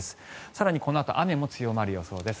更に、このあと雨も強まる予想です。